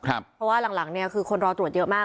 เพราะว่าหลังเนี่ยคือคนรอตรวจเยอะมาก